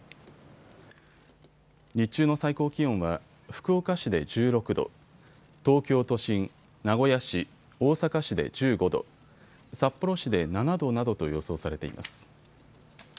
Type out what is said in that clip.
日中の最高気温は福岡市で１６度、東京都心、名古屋市、大阪市で１５度、札幌市で７度などと予想されています。